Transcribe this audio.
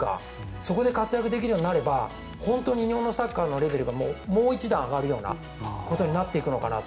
そこで活躍できるようになれば本当に日本のサッカーのレベルがもう１段上がるようなことになっていくのかなと。